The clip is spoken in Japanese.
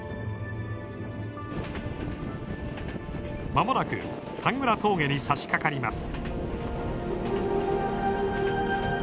間もなくタングラ峠にさしかかります。